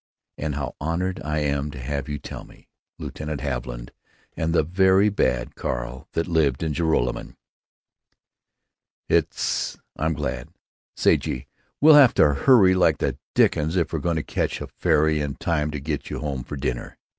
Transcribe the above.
And how honored I am to have you tell me—Lieutenant Haviland—and the very bad Carl that lived in Joralemon?" "It's——I'm glad——Say, gee! we'll have to hurry like the dickens if we're going to catch a ferry in time to get you home for dinner."